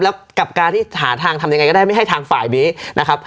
แล้วกับการที่หาทางทำยังไงก็ได้ไม่ให้ทางฝ่ายนี้นะครับ